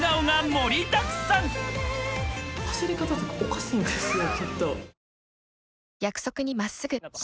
走り方とかおかしいんですよ。